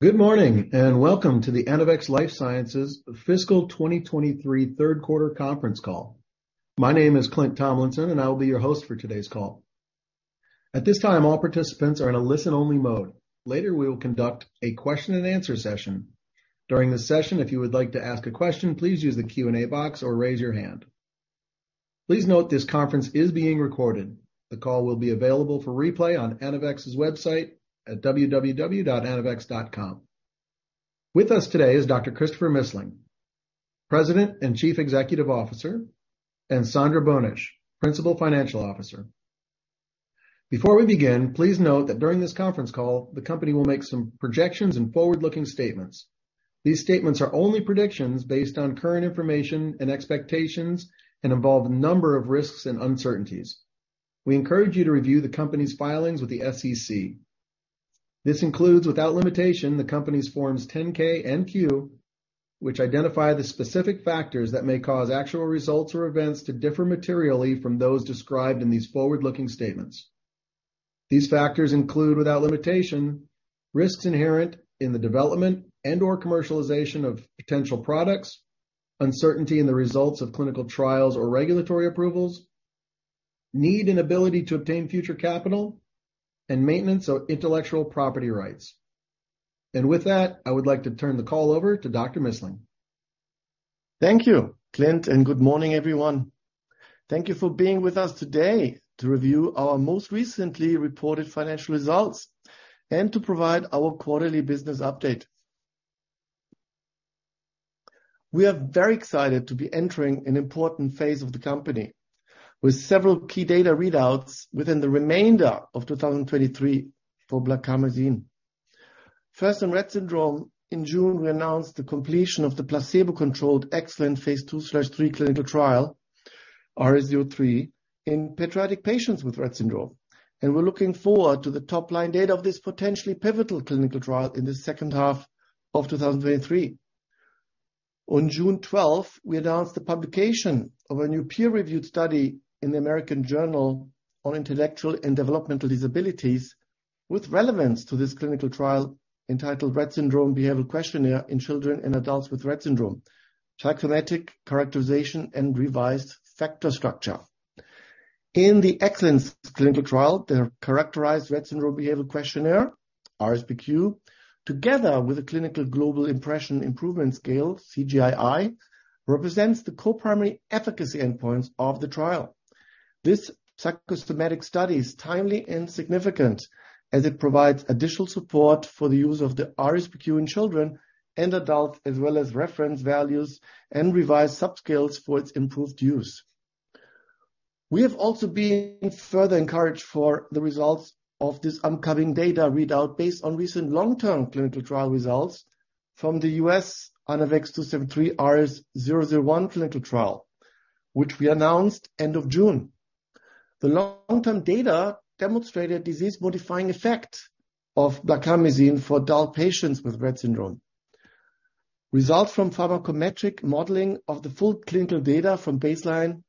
Good morning, welcome to the Anavex Life Sciences Fiscal 2023 third quarter conference call. My name is Clint Tomlinson, I will be your host for today's call. At this time, all participants are in a listen-only mode. Later, we will conduct a question and answer session. During the session, if you would like to ask a question, please use the Q&A box or raise your hand. Please note this conference is being recorded. The call will be available for replay on Anavex's website at www.anavex.com. With us today is Dr. Christopher Missling, President and Chief Executive Officer, and Sandra Boenisch, Principal Financial Officer. Before we begin, please note that during this conference call, the company will make some projections and forward-looking statements. These statements are only predictions based on current information and expectations and involve a number of risks and uncertainties. We encourage you to review the company's filings with the SEC. This includes, without limitation, the company's forms 10-K and 10-Q, which identify the specific factors that may cause actual results or events to differ materially from those described in these forward-looking statements. These factors include, without limitation, risks inherent in the development and/or commercialization of potential products, uncertainty in the results of clinical trials or regulatory approvals, need and ability to obtain future capital, and maintenance of intellectual property rights. With that, I would like to turn the call over to Dr. Missling. Thank you, Clint. Good morning, everyone. Thank you for being with us today to review our most recently reported financial results and to provide our quarterly business update. We are very excited to be entering an important phase of the company with several key data readouts within the remainder of 2023 for blarcamesine. First, in Rett syndrome, in June, we announced the completion of the placebo-controlled EXCELLENCE phase 2/3 clinical trial, RS-003, in pediatric patients with Rett syndrome, and we're looking forward to the top-line data of this potentially pivotal clinical trial in the second half of 2023. On June 12th, we announced the publication of a new peer-reviewed study in the American Journal on Intellectual and Developmental Disabilities with relevance to this clinical trial, entitled Rett Syndrome Behaviour Questionnaire in Children and Adults with Rett syndrome, Psychometric Characterization, and Revised Factor Structure. In the EXCELLENCE clinical trial, the Characterized Rett Syndrome Behavioral Questionnaire, RSBQ, together with the Clinical Global Impression Improvement Scale, CGI-I, represents the co-primary efficacy endpoints of the trial. This psychometric study is timely and significant as it provides additional support for the use of the RSBQ in children and adults, as well as reference values and revised subscales for its improved use. We have also been further encouraged for the results of this upcoming data readout based on recent long-term clinical trial results from the US ANAVEX 2-73 RS-001 clinical trial, which we announced end of June. The long-term data demonstrated disease-modifying effects of blarcamesine for adult patients with Rett syndrome. Results from pharmacometric modeling of the full clinical data from baseline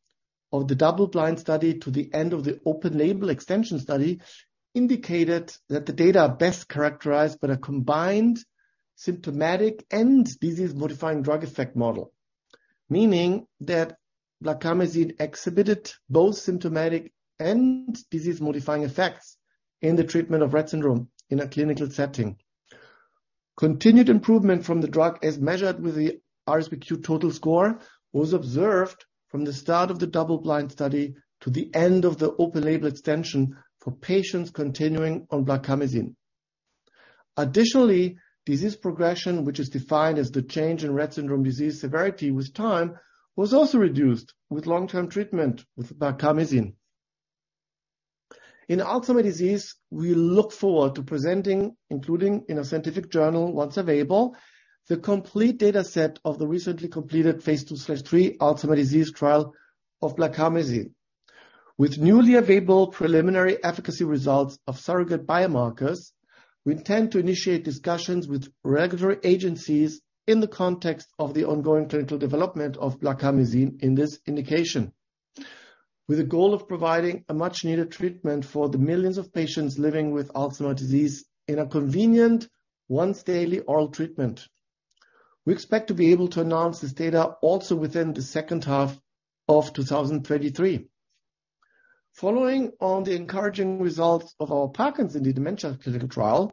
of the double-blind study to the end of the open-label extension study indicated that the data are best characterized by a combined symptomatic and disease-modifying drug effect model, meaning that blarcamesine exhibited both symptomatic and disease-modifying effects in the treatment of Rett syndrome in a clinical setting. Continued improvement from the drug, as measured with the RSBQ total score, was observed from the start of the double-blind study to the end of the open-label extension for patients continuing on blarcamesine. Additionally, disease progression, which is defined as the change in Rett syndrome disease severity with time, was also reduced with long-term treatment with blarcamesine. In Alzheimer's disease, we look forward to presenting, including in a scientific journal, once available, the complete data set of the recently completed phase 2/3 Alzheimer's disease trial of blarcamesine. With newly available preliminary efficacy results of surrogate biomarkers, we intend to initiate discussions with regulatory agencies in the context of the ongoing clinical development of blarcamesine in this indication, with a goal of providing a much-needed treatment for the millions of patients living with Alzheimer's disease in a convenient, once-daily oral treatment. We expect to be able to announce this data also within the second half of 2023. Following on the encouraging results of our Parkinson's and dementia clinical trial,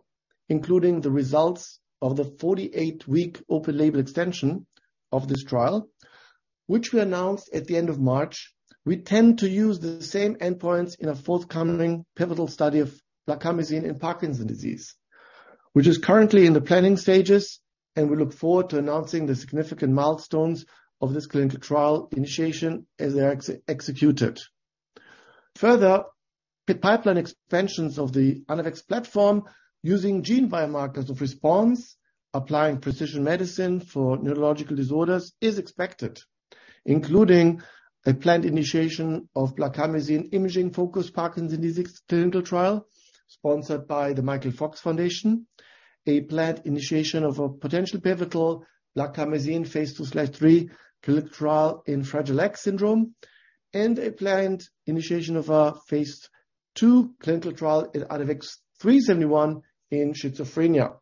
including the results of the 48-week open-label extension of this trial, which we announced at the end of March, we tend to use the same endpoints in a forthcoming pivotal study of blarcamesine in Parkinson's disease, which is currently in the planning stages, and we look forward to announcing the significant milestones of this clinical trial initiation as they are executed. Further, pipeline expansions of the Anavex platform using gene biomarkers of response, applying precision medicine for neurological disorders is expected, including a planned initiation of blarcamesine imaging-focused Parkinson's disease clinical trial, sponsored by the Michael J. Fox Foundation, a planned initiation of a potential pivotal blarcamesine Phase 2/3 clinical trial in Fragile X syndrome, and a planned initiation of a Phase 2 clinical trial in ANAVEX 3-71 in schizophrenia.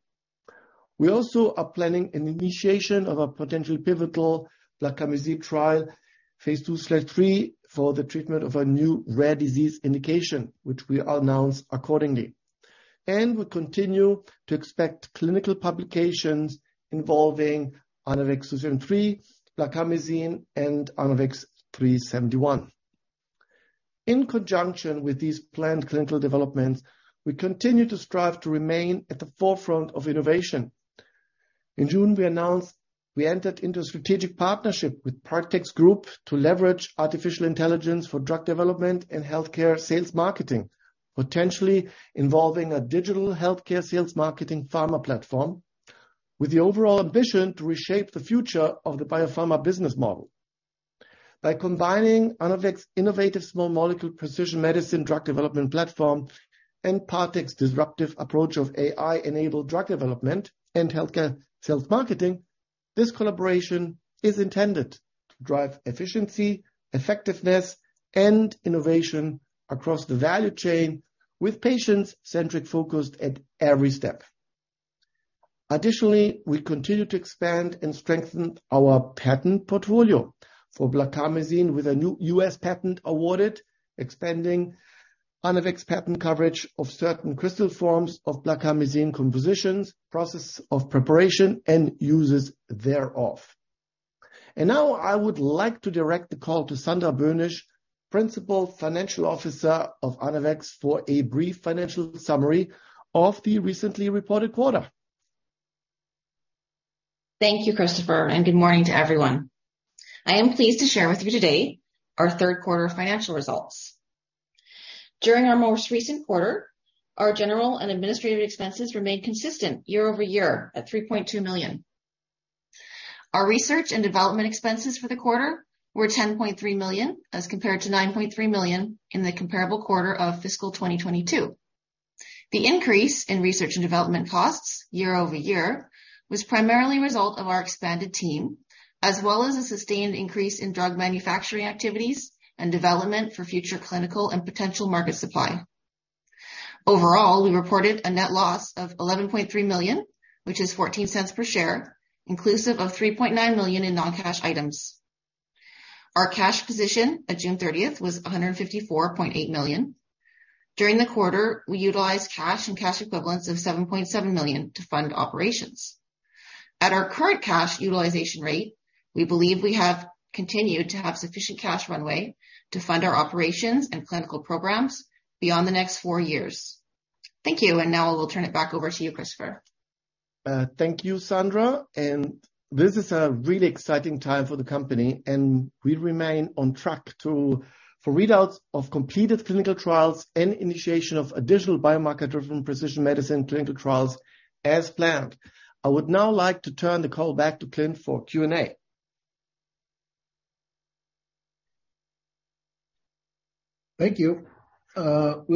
We also are planning an initiation of a potential pivotal blarcamesine trial, phase 2, slide 3, for the treatment of a new rare disease indication, which we announced accordingly. We continue to expect clinical publications involving ANAVEX 2-73, blarcamesine, and ANAVEX 3-71. In conjunction with these planned clinical developments, we continue to strive to remain at the forefront of innovation. In June, we announced we entered into a strategic partnership with Partex Group to leverage artificial intelligence for drug development and healthcare sales marketing, potentially involving a digital healthcare sales marketing pharma platform, with the overall ambition to reshape the future of the biopharma business model. By combining Anavex innovative small molecule precision medicine, drug development platform, and Partex disruptive approach of AI-enabled drug development and healthcare sales marketing, this collaboration is intended to drive efficiency, effectiveness, and innovation across the value chain with patients-centric focused at every step. Additionally, we continue to expand and strengthen our patent portfolio for blarcamesine with a new US patent awarded, expanding Anavex patent coverage of certain crystal forms of blarcamesine compositions, process of preparation, and uses thereof. Now I would like to direct the call to Sandra Boenisch, Principal Financial Officer of Anavex, for a brief financial summary of the recently reported quarter. Thank you, Christopher. Good morning to everyone. I am pleased to share with you today our third quarter financial results. During our most recent quarter, our general and administrative expenses remained consistent year-over-year at $3.2 million. Our research and development expenses for the quarter were $10.3 million, as compared to $9.3 million in the comparable quarter of fiscal 2022. The increase in research and development costs year-over-year was primarily a result of our expanded team, as well as a sustained increase in drug manufacturing activities and development for future clinical and potential market supply. Overall, we reported a net loss of $11.3 million, which is $0.14 per share, inclusive of $3.9 million in non-cash items. Our cash position at June thirtieth was $154.8 million. During the quarter, we utilized cash and cash equivalents of $7.7 million to fund operations. At our current cash utilization rate, we believe we have continued to have sufficient cash runway to fund our operations and clinical programs beyond the next 4 years. Thank you. Now I will turn it back over to you, Christopher. Thank you, Sandra. This is a really exciting time for the company, and we remain on track to, for readouts of completed clinical trials and initiation of additional biomarker-driven precision medicine clinical trials as planned. I would now like to turn the call back to Clint for Q&A. Thank you. We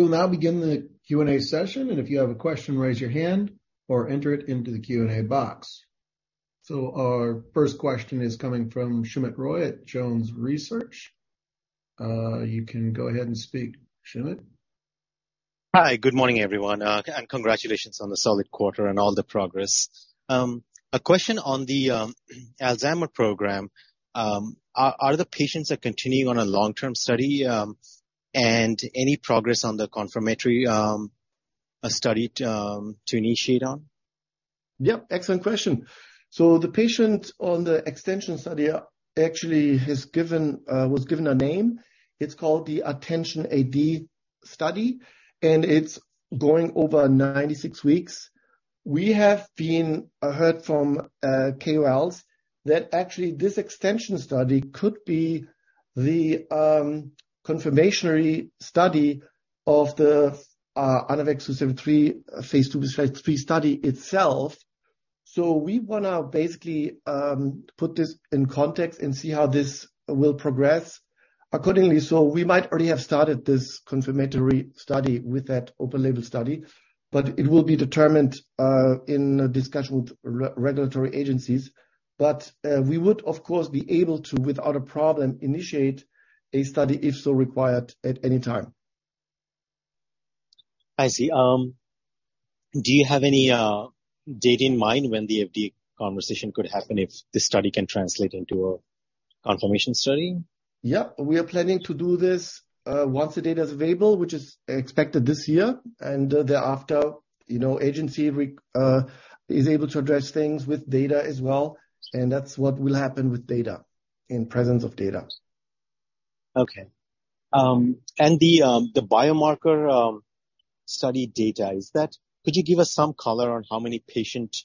will now begin the Q&A session. If you have a question, raise your hand or enter it into the Q&A box. Our first question is coming from Sumit Roy at Jones Research. You can go ahead and speak, Sumit. Hi, good morning, everyone, and congratulations on the solid quarter and all the progress. A question on the Alzheimer program. Are the patients continuing on a long-term study, and any progress on the confirmatory study to initiate on? Yep, excellent question. The patient on the extension study actually has given was given a name. It's called the ATTENTION-AD study, it's going over 96 weeks. We have been heard from KOLs that actually this extension study could be the confirmation study of the ANAVEX 2-73, phase 2, phase 3 study itself. We want to basically put this in context and see how this will progress accordingly. We might already have started this confirmatory study with that open label study, it will be determined in discussion with regulatory agencies. We would, of course, be able to, without a problem, initiate a study, if so required, at any time. I see. Do you have any date in mind when the FDA conversation could happen if this study can translate into a confirmation study? Yeah, we are planning to do this, once the data is available, which is expected this year. Thereafter, you know, agency is able to address things with data as well. That's what will happen with data, in presence of data. Okay. The, the biomarker, study data, is that... Could you give us some color on how many patient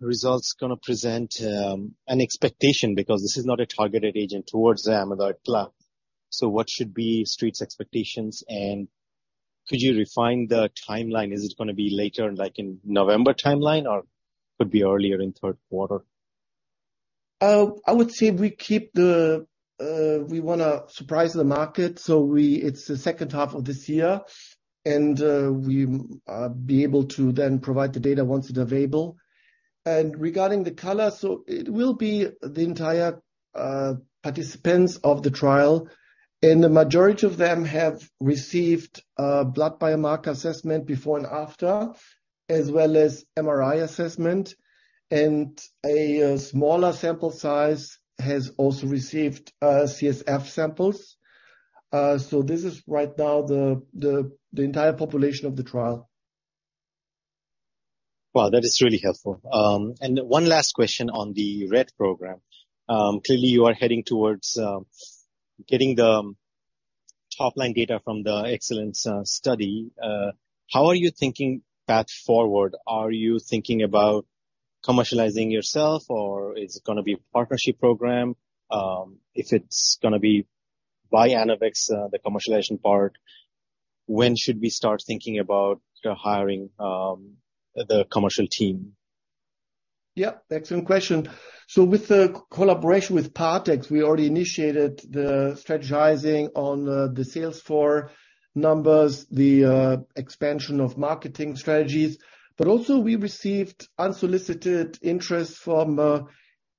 results going to present an expectation? Because this is not a targeted agent towards them, about cloud. What should be Street's expectations, and could you refine the timeline? Is it going to be later, like in November timeline, or could be earlier in third quarter? I would say we keep the, we want to surprise the market, so it's the second half of this year, and we be able to then provide the data once it's available. Regarding the color, so it will be the entire-... participants of the trial, and the majority of them have received, blood biomarker assessment before and after, as well as MRI assessment. A smaller sample size has also received, CSF samples. This is right now the, the, the entire population of the trial. Wow, that is really helpful. One last question on the Rett program. Clearly, you are heading towards getting the top-line data from the EXCELLENCE study. How are you thinking path forward? Are you thinking about commercializing yourself, or is it going to be a partnership program? If it's going to be by Anavex, the commercialization part, when should we start thinking about hiring the commercial team? Yeah, excellent question. With the collaboration with Partex, we already initiated the strategizing on the sales force numbers, the expansion of marketing strategies. Also we received unsolicited interest from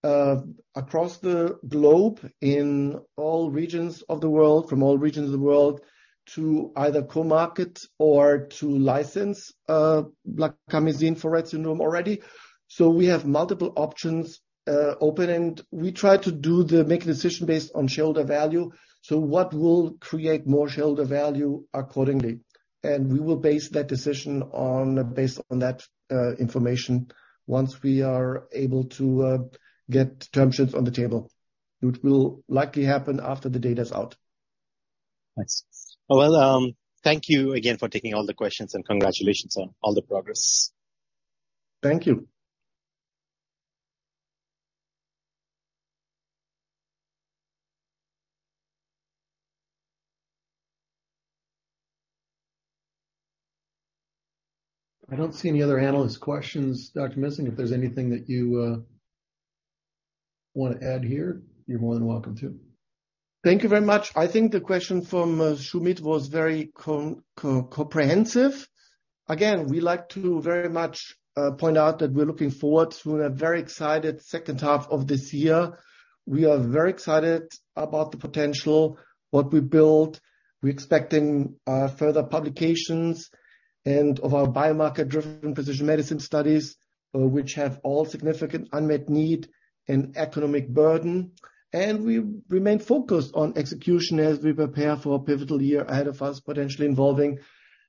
across the globe in all regions of the world, from all regions of the world, to either co-market or to license blarcamesine for Rett syndrome already. We have multiple options open, and we try to make a decision based on shareholder value. What will create more shareholder value accordingly? We will base that decision on, based on that information once we are able to get terms on the table, which will likely happen after the data is out. Thanks. Well, thank you again for taking all the questions, and congratulations on all the progress. Thank you. I don't see any other analyst questions, Dr. Missling. If there's anything that you want to add here, you're more than welcome to. Thank you very much. I think the question from Sumit was very comprehensive. Again, we like to very much point out that we're looking forward to a very excited second half of this year. We are very excited about the potential, what we built. We're expecting further publications and of our biomarker-driven precision medicine studies, which have all significant unmet need and economic burden. We remain focused on execution as we prepare for a pivotal year ahead of us, potentially involving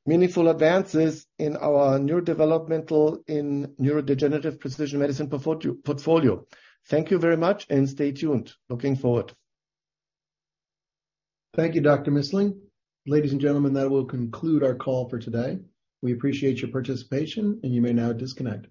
meaningful advances in our neurodevelopmental, in neurodegenerative precision medicine portfolio. Thank you very much and stay tuned. Looking forward. Thank you, Dr. Missling. Ladies and gentlemen, that will conclude our call for today. We appreciate your participation, and you may now disconnect.